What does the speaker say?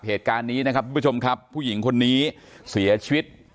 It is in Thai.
เหตุการณ์นี้นะครับทุกผู้ชมครับผู้หญิงคนนี้เสียชีวิต